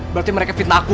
berarti mereka fitnah aku